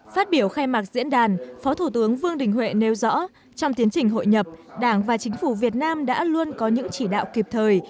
phát biểu khai mạc diễn đàn phó thủ tướng vương đình huệ nêu rõ trong tiến trình hội nhập đảng và chính phủ việt nam đã luôn có những chỉ đạo kịp thời